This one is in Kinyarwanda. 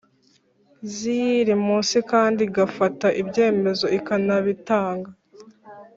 ziyiri munsi kandi igafata ibyemezo ikanabitanga